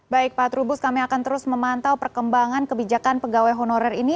baik pak trubus kami akan terus memantau perkembangan kebijakan pegawai honorer ini